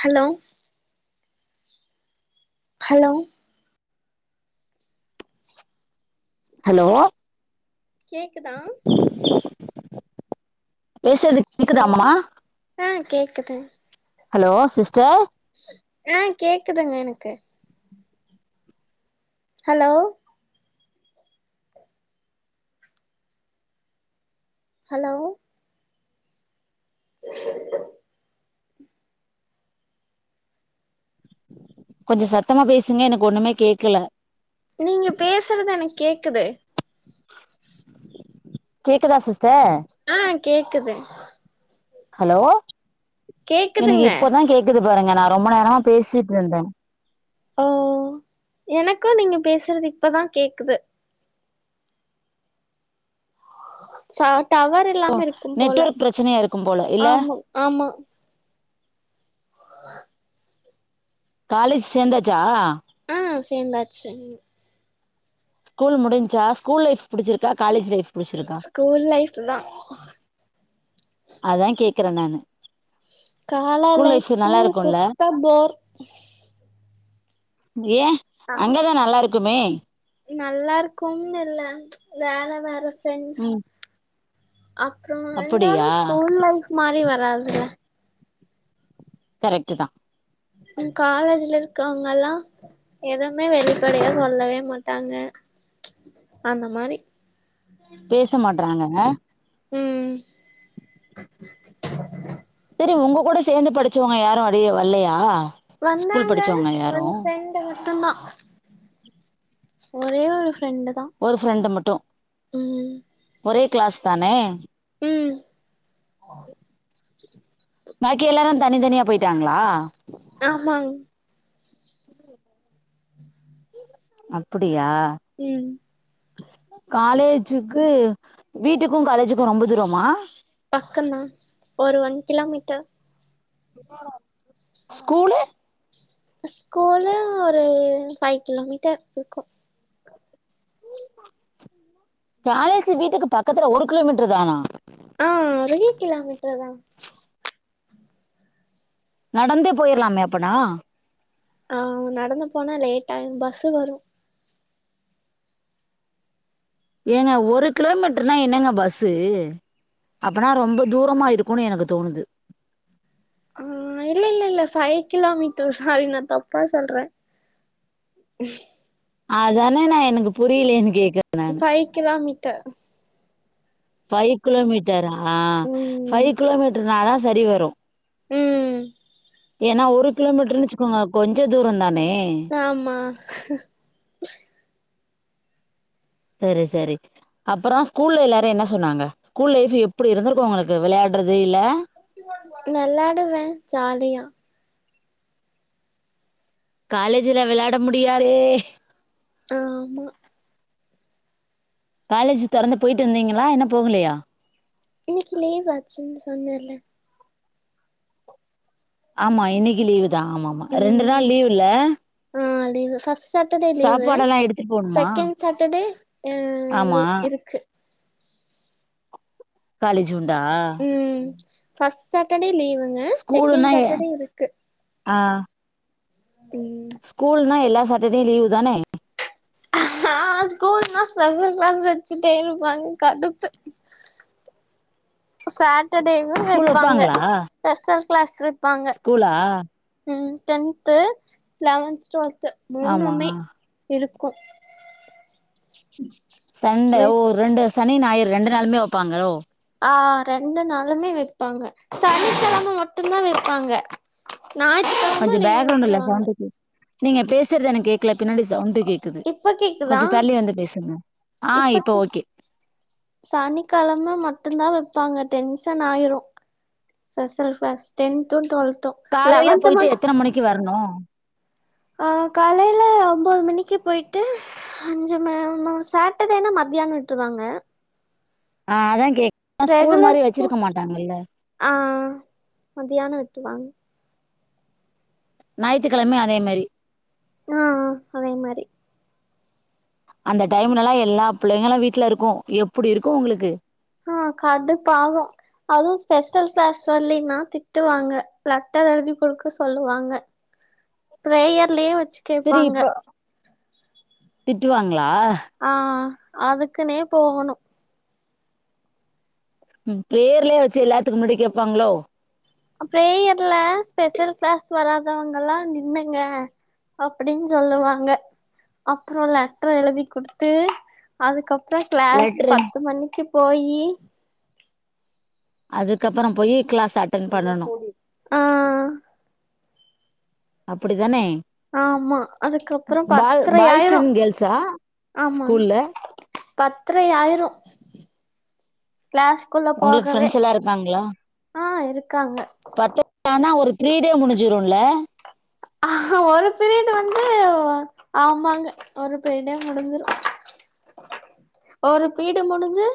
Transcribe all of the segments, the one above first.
hello hello hello கேக்குதா பேசர்து hello ஆ கேக்குது ஹலோ சிஸ்டர் ஆ கேக்குதுங்க எனக்கு ஹலோ ஹலோ கொஞ்ச சத்தமா பேசுங்க எனக்கு ஒண்ணுமே கேக்கல நீங்க பேசுறது எனக் கேக்குது கேக்குதா சிஸ்டர் ஆ கேக்குது ஹலோ எனக்கு கேக்குதுங்க இப்போதா கேக்குது பாருங்க நா ரொம்ப நேரமா பேசிட்டுருந்தே ஓ எனக்கு நீங்க பேசுறது இப்பதா கேக்குது ச டவரு ஓ நெட்வொர்க் பிரச்சனையா இருக்கும் போல இல்ல ஆமா ஆமா காலேஜ் சேர்ந்தாச்சா ஆ சேந்தாச்சு ம் ஸ்கூல் முடிஞ்ச்சா ஸ்கூல் லைஃப் புடிச்சிருக்கா காலேஜ் லைஃப் புடிச்சிருக்கா ஸ்கூல் லைஃப் தா அதா கேக்குற நானு கால்லா ஸ்கூல் லைஃப் லைஃப்பு நல்லா இருக்கும்ல சுத்த போர் ஏ ஆ அங்கதா நல்லா இருக்குமே நல்லா இருக்குன் இல்ல வேற வேற ஃப்ரெண்ட்ஸ் ம் அப்றோ இருந்தாலு அப்படியா ஸ்கூல் லைஃப் மாரி வராதுல்ல கரெக்ட்டு தா ம் காலேஜ்ல இருக்கவுங்கல்லா எதுமே வெளிப்படையா சொல்லவே மாட்டாங்க அந்த மாரி பேச மாட்றாங்கக ம் சேரி உங்க கூட சேர்ந்து படிச்சவுங்க யாரு அப்டி வல்லையா வந்தாங்க ஒரு ஃப்ரெண்ட்டு மட்டுந்தா ஒரே ஒரு ஃப்ரெண்டு தா ஒரு ஃப்ரெண்டு மட்டு ம் ஒரே கிளாஸ் தானே ம் பாக்கி எல்லாரு தனித்தனியா போயிட்டாங்ளா ஆமாங் அப்புடியா ம் காலேஜிக்கு வீட்டுக்கு காலேஜிக்கு ரொம்ப தூரமா பக்கம் தா ஒரு ஒன் கிலோமீட்டர் ஸ்கூலு ஸ்கூலு ஒரு ஃபைவ் கிலோமீட்டர் இருக்கு காலேஜி வீட்டுக்கு பக்கத்துல ஒரு கிலோ மீட்டர் தானா ஆ ஒரை கிலோ மீட்டர்தா நடந்தே போயிரலாமே அப்பனா ஆ நடந்து போனா லேட் ஆயிரு பஸ் வரு ஏங்க ஒரு கிலோமீட்டருன்னா என்னங்க பஸ்ஸு அப்பனா ரொம்ப தூரமாக இருக்குன்னு எனக்கு தோணுது ஆ இல்ல இல்ல ஃபைவ் கிலோமீட்டர் சாரி நா தப்பா சொல்றே அதான நா எனக்கு புரியலேயைனு கேக்க five kilometre five kilometre ஆ ஃபைவ் ம் கிலோமீட்டர்னாதா சரி வரு ம் ஏன்னா ஒரு கிலோமீட்டர்னு வெச்சிக்கோங்க கொஞ்ச தூரோ தானே ஆமா சேரி சேரி அப்பறோ ஸ்கூல்ல எல்லாரு என்ன சொன்னாங்க கூல் லைஃப் எப்புடி இருந்திருக்கு உங்களுக்கு விளையாட்றது இல்ல வெளாடுவே ஜாலியா காலேஜில விளாட முடியாதே ஆமா காலேஜ் தொறந்து போயிட்டு வந்தீங்களா இன்னு போகலையா இனைக்கி லீவ் ஆச்சின்னு சொன்னல்ல ஆமா இன்னைக்கி லீவு தா ஆமா ஆமா ரெண்டு நாள் லீவுல்ல ஆம் leave first Saturday leave சாப்பாடெல்லா எடுத்துட்டு போணுமா செகண்ட் சாட்டர்டே ஆமா லீ இருக்கு காலேஜ் உண்டா ம் ஃபஸ்ட் சட்டர்டே லீவு ஸ்கூலுனா ஆ ம் ஸ்கூலுன்னா எல்லா சாட்டர்டேவு லீவுதானே ஆ ஸ்கூலுன்னா ஸ்பெஷல் கிளாஸ் வெச்சிட்டே இருபாங்க கடுப்பு சாட்டர்டேவு ஸ்கூல் வேப்பாங்க வப்பாங்களா ஸ்பெஷல் கிளாஸ் வேப்பாங்க ஸ்கூலா ம் டென்து லெவன்த் டுவெல்து ஆமா மூணுமே இருக்கு சண்டே வெ ஓ ரெண்டு சனி ஞாயிறு ரெண்டு நாளுமே வேப்பாங்களோ ஆ ரெண்டு நாளுமே வெபாங்க சனிக்கெழம மட்டும்தா வெபாங்க ஞாயித்துக்கிழம கொஞ்சம் லீவ் பேக்ரவுண்ட்ல விட்ருவாங்க சவுண்டு கேக் நீங்க பேசறது எனக்கு கேக்கல பின்னாடி சவுண்ட் கேக் க்குது இப்ப கேக்குதா கொஞ்ச தள்ளி வந்து பேசுங்க ஆ இப்ப ஓகே சனிக்கெழம மட்டுதா வப்பாங்க டென்ஷன் ஆயிரு ஸ்பெஷல் கிளாஸ் டென்து டுவெல் காலைலே போயிட்டு எத்தன மணிக்கு வரணு ஆ காலையில ஒம்போது மணிக்கு போயிட்டு அஞ்சிமே ம சேட்டர்டேனா மத்தியான விட்ருவாங்க ஆ அதா கே ரெகுலர் ஸ்கூ ஆ மதியான விட்ருவாங் ஞாயித்து கெழமயு அதே மாரி ம்ம் அதே மாரி அந்த டைம்லல்லா எல்லா புள்ளைங்களு வீட்லருக்கு எப்புடி இருக்கு ஒங்ளுக்கு ஆ கடுப்பாகு அதுவு ஸ்பெஷல் கிளாஸ் வர்லின்னா திட்டுவாங்க லெட்டர் எழுதி குடுக்க சொல்லுவாங்க பிரேயர்லே வச்சி சரி இப்ப திட்டுவாங்களா ஆ அதுக்குனே போகணு ம் ப்ரேயர்லையே வச்சி எல்லாத்துக்கு முன்னாடி கேப்பாங்களோ ப்ரேயர்லே ஸ்பெஷல் கிளாஸ் வராதவங்கல்லா நின்னுங்க அப்பிடின் சொல்லுவாங்க அப்புறோ லெட்டர் எழுதி குடுத்து அதுக்கப்புறோ க்ளாஸ் லெட்டர் பத்து மணிக்கு போயி அதுக்கப்புறோ போயி கிளாஸ் அட்டன் பண்ணனு ஆ அப்பிடிதானே ஆமா அதுக்கப்புறோ பாய்ஸ் பத்தரயாயிரு அண்ட் கேர்ள்ஸா ஆமா ஸ்கூல்ல பத்திரை ஆயிரு கிளாஸ் க்குள்ள உங்களுக்கு போகவே ஃப்ரெண்ட்ஸ் எல்லா இருக்காங்களா ஆ இருக்காங்க பத்து ஆனா ஒரு த்ரீ டே முடிஞ்சிருல்ல ஆ ஒரு பிரியிடு வந்து ஆமாங்க ஒரு பெர்டே முடிஞ்சிரு ஒரு பீடு முடிஞ்சி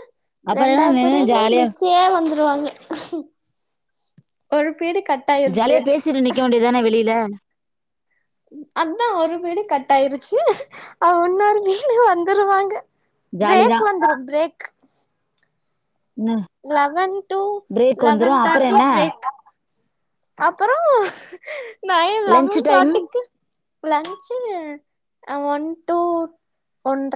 அப்புறம் என்ன ரெண்டாவது நின்னு பிடிது ஜாலியா மிஸ் கே வந்துருவாங்க ஒரு பீடு கட் ஆயிருச்சு ஜாலியா பேசிட்டு நிக்கே வேண்டியதுதான வெளில அதா ஒரு பீடு கட் ஆயிருச்சி ஆ இன்னொரு பீடு வந்துருவாங்க ஜாலி பிரேக் வந்துரு பிரேக் ம் லெவன் டு லெவன் அப்புறம் தேர்டி என்ன ப்ரேக் அப்புறோ நயன் லஞ்ச் லெவன் டைம் தேட்டிக்கி லன்ச்சி ஒன் டூ ஒன்ற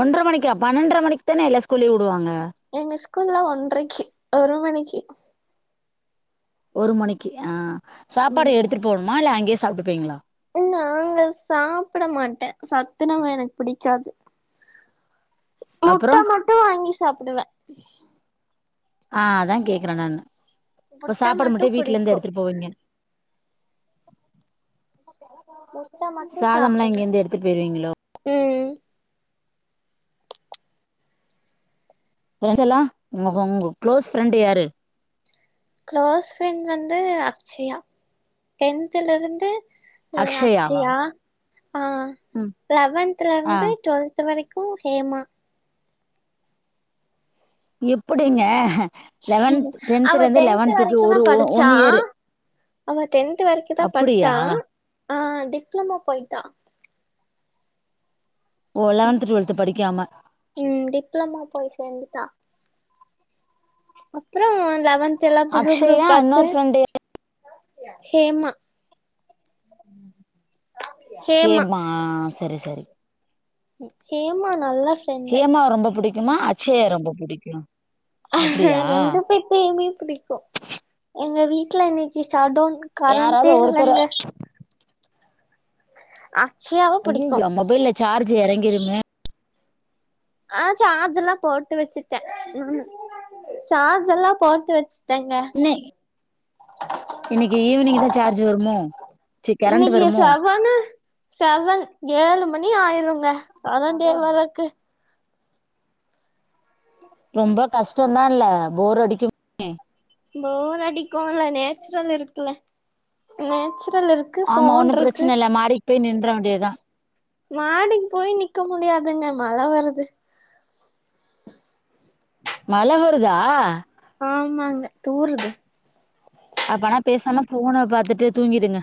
ஒன்றர மணிக்கா பன்னெண்ர மணிக்கு தான எல்லா ஸ்கூலியுவுடுவாங்க எங்கே ஸ்கூல்லா ஒன்றைக்கு ஒரு மணிக்கி ஒரு மணிக்கு ஆ ம் சாப்பாடு எடுத்துட்டு போணுமா இல்ல அங்கேயே சாப்பிட்டுபிங்களா நாங்க சாப்பிடமாட்டே சத்துணவு எனக்கு பிடிக்காது முட்ட அப்புறம் மட்டு வாங்கி சாப்பிடுவே ஆ அதா கேக்கற நானு இப்ப முட்ட சாப்பாடு மட்டு வீட்ல இந்து பிடிக்கு எடுத்துட்டு போவீங்க முட்ட மட்டு சாதம்ல்லா சாப்டுவே இங்கந்து எடுத்துட்டு போயிருவீங்ளோ ம் ஃப்ரெண்டஸ் எல்லா உ உங்க குளோஸ் ஃப்ரெண்டு யாரு குளோஸ் ஃப்ரெண்ட் வந்து அக்ஷயா டென்துலருந்து அக்ஷயாவா லக்சியா ஆ ம் லெவன்த்ல ஆ இருந்து டுவெல் த்து வரைக்கு ஹேமா எப்டிங்கே லெவன்த் அவ டென்துல இருந்து டென்த் லெவன்துக்கு வரைக்கு தா ஒரு படிச்சா ஒன் இயரு அவ டென்த் வரைக்கு தா அப்டியா படிச்சா ஆ டிப்ளமோ போயிட்டா ஓ லெவன்த் டுவெல்த் படிக்காமே ம் டிப்ளமோ போய் சேந்துட்டா அப்பறோ லெவன்த் எல்லா புது அக்ஷயா குரூப் ஆச்சு இன்னொரு ஃப்ரெண்டு ஹேமா ஹேமா செரி செரி ஹேமா நல்லா ஹேமாவ ரொம்ப புடிக்குமா அச்சயா ரொம்ப புடிக்குமா ஆ ரெண்டு பேத்தையுமே புடிக்கு எங்க வீட்ல இன்னைக்கி சடோன் யாராவது கரண்ட்டே ஒருத்தர இல்லங்க ஆ அய்யய்யோ மொபைல்ல சார்ஜ் எறங்கிருமே ஆ சார்ஜ்ல்லா போட்டு வெச்சுட்டே ம் சார்ஜ் எல்லா போட்டு வெச் இன்னைக்கு ஈவினிங் தா சார்ஜ் வருமோ கரண்ட் இன்னைக்கு வருமோ செவனு செவன் ஏழு மணி ஆயிருங்க கரண்டே வரக்கு ரொம்ப கஷ்டம்தா இல்ல போர் அடிக்கு போர் அடிக்கும்ல நேச்சுரல் இருக்குல நேச்சுரல் இருக் ஆமா ஒண்ணு பிரச்சன இல்ல மாடிக்கு போய் நின்ற வேண்டியதா மாடிக்கு போய் நிக்க முடியாதுங்க மழ வருது மழ வருதா ஆமாங்க தூருது அப்பனா பேசாம போன பாத்துட்டு தூங்கிடுங்க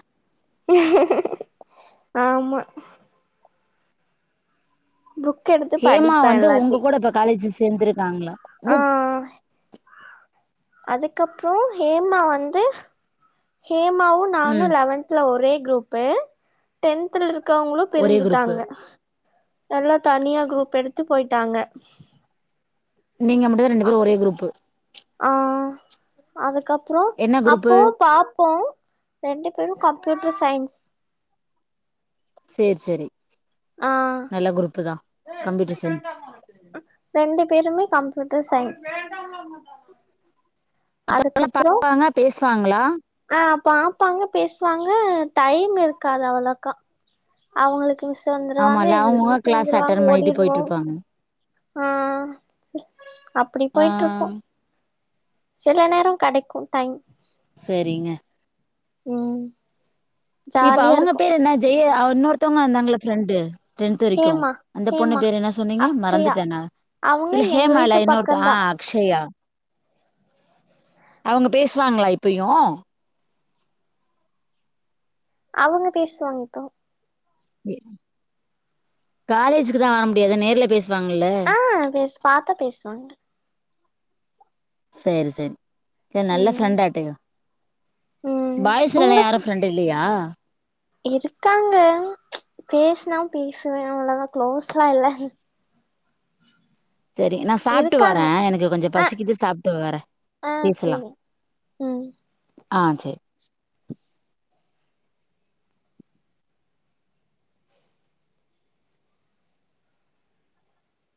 ஆமா புக் எடுத்து ஹேமா படிப்பே வந்து உங்க இல்லாட்டி கூட இப்ப காலேஜ் சேர்ந்திருக்காங்ளா அதுக்கு அப்றோ ஹேமா வந்து ஹேமாவு நானு ம் லெவன்துல ஒரே குரூப்பு டென்துல இருக்கவங்களும் ஒரே குரூப்பு பிரிஞ்சுட்டாங்க நல்லா தனியா குரூப் எடுத்து போயிடாங்க நீங்க மட்டுதா ரெண்டு பேரும் ஒரே குரூப்பு ஆ அதுக்கு அப்றோ என்ன குரூப்பு அப்பவு பாப்போ ரெண்டு பேரும் கம்பயூட்டர் சைன்ஸ் சேர் செரி ஆ கம்ப்யூட்டர் சயின்ஸ் ரெண்டு பேருமே கம்ப்யூட்டர் சைன்ஸ் அப்பப்பளா பாப்பாங்க பேசுவாங்களா ஆ பாப்பாங்க பேசுவாங்க டைம் இருக்காது அவ்ளோக்கா அவுங்குளுக் மிஸ் வந்துருவாங்க ஆமால எங்குளுக்கு அவங்கவுங்க மிஸ் கிளாஸ் வந்துருவாங்க அட்டன் பண்ணிட்டு ஓடிடுவோ போயிட்ருப்பாங்க ஆ அப்டி ஆ போயிட்டு இருக்கோ சில நேரோ கெடைக்கு டைம் சரிங்க ம் இப்ப ஜாலியா அவங்க இருக்கு பேரு என்ன ஜெய அ இன்னொருத்தவங்க வந்தாங்கள ஃப்ரெண்டு டென்த் வரைக்கு ஹேமா அந்த பொண்ணு ஹேமா பேரு என்ன சொன்னீங்க அக்ஷயா மறந்துட்டேனா அவங்க இல்ல எங்க ஹேமா இல்ல வீட்டு இன்னொருத் ஆ பக்கந்தா அக்ஷயா அவங்க பேசுவாங்களா இப்பயு அவங்க பேசுவாங் கா காலேஜ்க்கு தா வர முடியாது நேர்ல பேசுவாங்கல்ல பேஸ் பாத்தா பேசுவாங்க சரி சர் த நல்ல ம் ஃப்ரெண்டாட்டு ம் பாய்ஸ்லல்லா உங்க ஃப யாரு ஃப்ரெண்ட்டு இல்லையா இருக்காங்க பேஸ்னா பேசுவே அவ்ளவா குளோஸ்லா இல்ல சரி நா சாப்ட்டு இருக்காங்க வரே எனக்கு கொஞ்ச ஆ பசிக்கிது சாப்ட்டு வரே ஆ பேசலா சேரி ம் ஆ சேர்